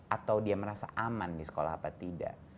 atau dia merasa aman di sekolah apa tidak